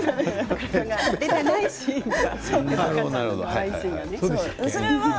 出てないシーンが。